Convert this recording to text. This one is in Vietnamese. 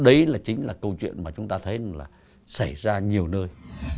đấy chính là câu chuyện mà chúng ta thấy xảy ra nhiều nơi